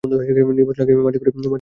নির্বাচনের আগে মাটি খুঁড়ে বের করবো।